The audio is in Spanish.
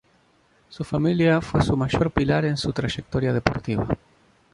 Su familia fue su mayor pilar en su trayectoria deportiva.